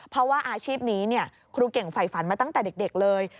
เพราะว่าอาชีพนี้ครูเก่งฝ่ายฝันมาตั้งแต่เด็กเลย